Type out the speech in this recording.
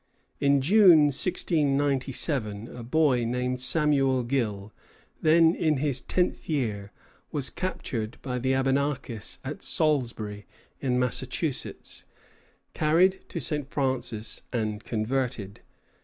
In June, 1697, a boy named Samuel Gill, then in his tenth year, was captured by the Abenakis at Salisbury in Massachusetts, carried to St. Francis, and converted.